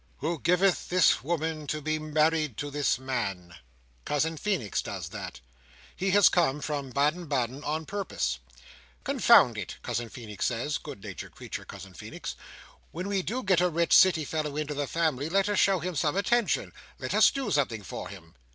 "Who giveth this woman to be married to this man?" Cousin Feenix does that. He has come from Baden Baden on purpose. "Confound it," Cousin Feenix says—good natured creature, Cousin Feenix—"when we do get a rich City fellow into the family, let us show him some attention; let us do something for him."